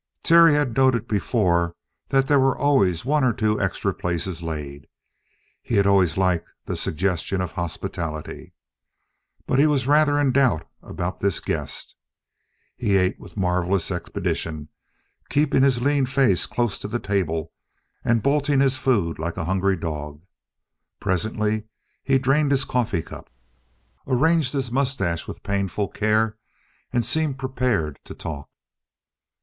Terry had noted before that there were always one or two extra places laid; he had always liked the suggestion of hospitality, but he was rather in doubt about this guest. He ate with marvellous expedition, keeping his lean face close to the table and bolting his food like a hungry dog. Presently he drained his coffee cup, arranged his mustache with painful care, and seemed prepared to talk.